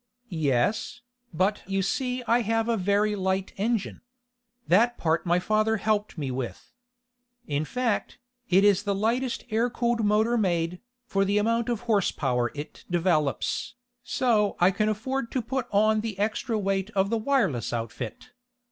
"Yes, but you see I have a very light engine. That part my father helped me with. In fact, it is the lightest air cooled motor made, for the amount of horsepower it develops, so I can afford to put on the extra weight of the wireless outfit.